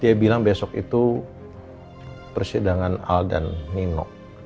dia bilang besok ini kita masih dengan al dan nino